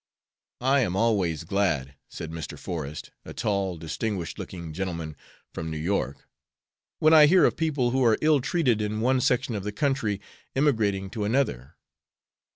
"I am always glad," said Mr. Forest, a tall, distinguished looking gentleman from New York, "when I hear of people who are ill treated in one section of the country emigrating to another.